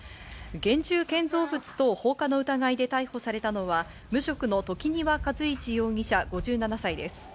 現住建造物等放火の疑いで逮捕されたのは無職の時庭和一容疑者、５７歳です。